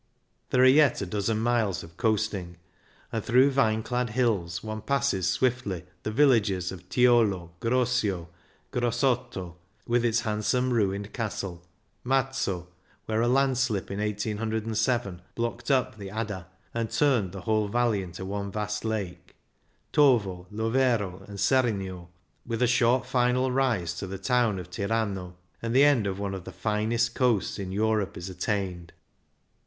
There are yet a dozen miles of coasting, and through vine clad hills one passes swiftly the villages of Tiolo, Grosio, Gros sotto — with its handsome ruined castle — Mazzo, where a landslip in 1807 blocked up the Adda, and turned the whole valley into one vast lake, Tovo, Lovero, and Sernio, with a short final rise to the town of Tirano, and the end of one of the finest coasts in Europe is attained.